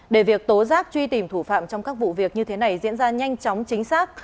để việc tố giác truy tìm thủ phạm trong các vụ việc như thế này diễn ra nhanh chóng chính xác